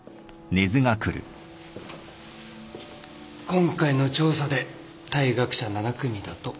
今回の調査で退学者７組だと。